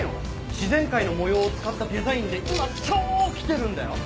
自然界の模様を使ったデザインで今超キテるんだよ。